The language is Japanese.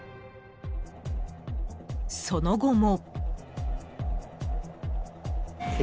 ［その後も］